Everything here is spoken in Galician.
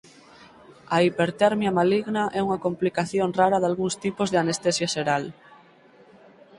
A hipertermia maligna é unha complicación rara dalgúns tipos de anestesia xeral.